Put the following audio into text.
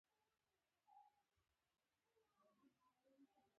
موخه: د لوست سم لوستل، ليکل او د زړه سوي په مفهوم پوهېدل.